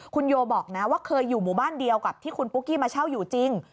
คุณโยบอกนะว่าเคยอยู่หมู่บ้านเดียวกับที่คุณปุ๊กกี้มาเช่าอยู่จริง